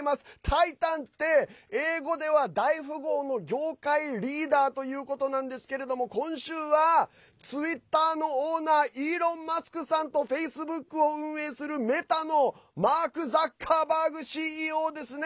タイタンって英語では大富豪の業界リーダーということなんですけれども今週はツイッターのオーナーイーロン・マスクさんとフェイスブックを運営するメタのマーク・ザッカーバーグＣＥＯですね。